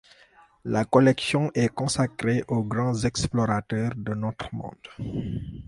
La collection est consacrée aux grands explorateurs de notre monde.